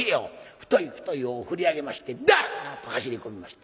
太い太い尾を振り上げましてダッと走り込みました。